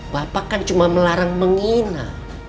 bapak kan cuma melarang menghina